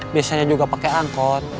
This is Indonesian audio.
biasanya juga pake angkot